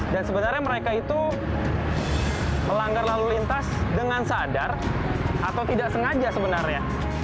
dan sebenarnya mereka itu melanggar lalu lintas dengan sadar atau tidak sengaja sebenarnya